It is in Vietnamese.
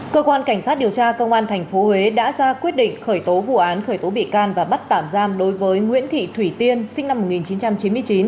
cơ quan cảnh sát điều tra công an tp huế đã ra quyết định khởi tố vụ án khởi tố bị can và bắt tạm giam đối với nguyễn thị thủy tiên sinh năm một nghìn chín trăm chín mươi chín